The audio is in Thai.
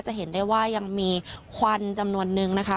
จะเห็นได้ว่ายังมีควันจำนวนนึงนะคะ